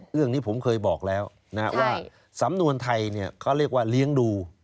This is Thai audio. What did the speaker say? เรื่องนี้ผมเคยบอกแล้วว่าสำนวนไทยเขาเรียกว่าเลี้ยงดู